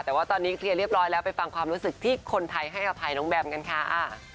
แต่ว่าตอนนี้เคลียร์เรียบร้อยแล้วไปฟังความรู้สึกที่คนไทยให้อภัยน้องแบมกันค่ะ